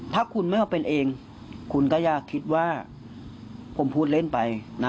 ถ้าคุณไม่มาเป็นเองคุณก็อย่าคิดว่าผมพูดเล่นไปนะ